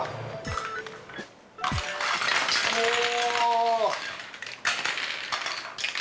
おお！